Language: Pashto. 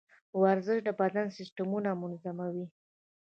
ورزش د بدن سیستمونه منظموي.